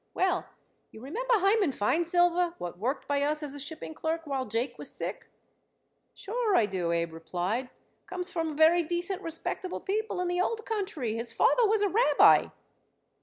"Well, you remember Hyman Feinsilver, what worked by us as a shipping clerk while Jake was sick?" "Sure I do," Abe replied. "Comes from very decent, respectable people in the old country. His father was a rabbi."